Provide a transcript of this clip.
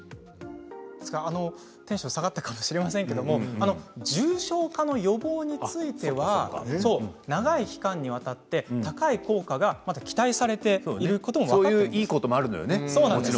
テンションが下がったかもしれませんけれど重症化の予防については長い期間にわたって高い効果が期待されているということも分かっています。